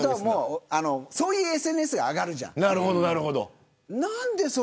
そういうＳＮＳが上がるじゃん。